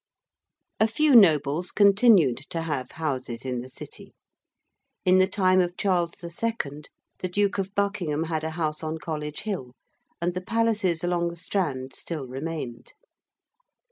A few nobles continued to have houses in the City. In the time of Charles II., the Duke of Buckingham had a house on College Hill, and the palaces along the Strand still remained.